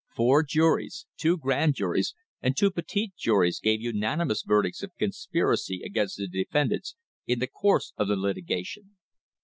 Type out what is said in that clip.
Four juries, two grand juries and two petit juries gave unanimous verdicts of conspiracy against the defendants in the course of the litigation.